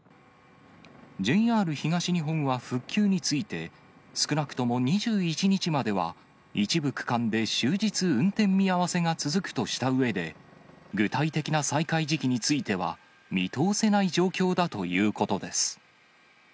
ＪＲ東日本は復旧について、少なくとも２１日までは、一部区間で終日運転見合わせが続くとしたうえで、具体的な再開時期については、見通せない状況だということです。